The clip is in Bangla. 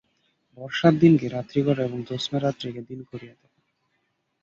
বর্ষার দিনকে রাত্রি করা এবং জ্যোংস্না রাত্রিকে দিন করিয়া তোলা।